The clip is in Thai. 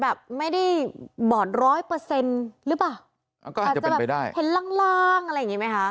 แบบไม่ได้บอร์ดร้อยเปอร์เซ็นต์หรือเปล่าอย่างล่างอะไรสงสัยก็